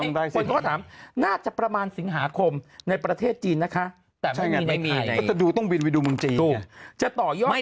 คนเขาก็ถามน่าจะประมาณศีลหาคมในประเทศจีนแต่ไม่มีในไทย